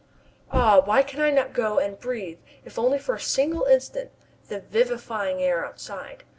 Ah! why can I not go and breathe, if only for a single instant, the vivifying air outside?